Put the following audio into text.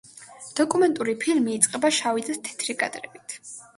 დოკუმენტური ფილმი იწყება შავი და თეთრი კადრებით.